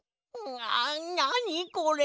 ななにこれ！？